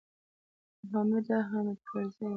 حامده! حامد کرزیه!